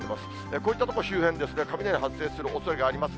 こういった所周辺ですね、雷発生するおそれがあります。